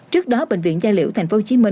trước đó bệnh viện gia liễu tp hcm